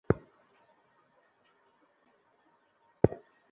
এতে পুলিশের সেবার মান বৃদ্ধির পাশাপাশি জিডি করতে আসা জনগণের হয়রানি কমবে।